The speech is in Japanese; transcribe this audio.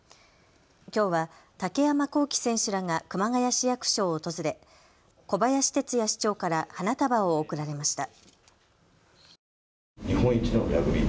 きょうは竹山晃暉選手らが熊谷市役所を訪れ小林哲也市長から花束を贈られました。